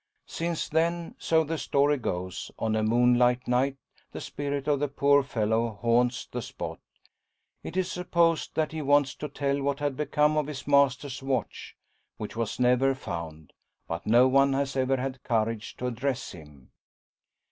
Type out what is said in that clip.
Since then, so the story goes, on a moonlight night the spirit of the poor fellow haunts the spot. It is supposed that he wants to tell what had become of his master's watch, which was never found. But no one has ever had courage to address him.